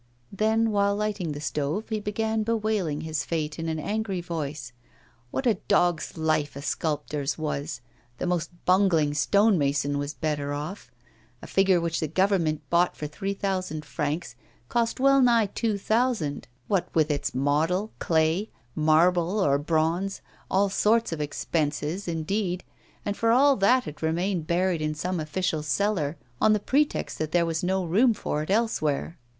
Then, while lighting the stove, he began bewailing his fate in an angry voice. What a dog's life a sculptor's was! The most bungling stonemason was better off. A figure which the Government bought for three thousand francs cost well nigh two thousand, what with its model, clay, marble or bronze, all sorts of expenses, indeed, and for all that it remained buried in some official cellar on the pretext that there was no room for it elsewhere.